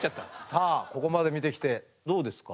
さあここまで見てきてどうですか？